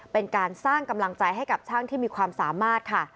เป็นการสร้างกำลังใจให้กับช่างที่มีความสามารถค่ะ